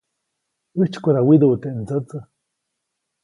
ʼÄjtsykoda widuʼu teʼ ndsätsä.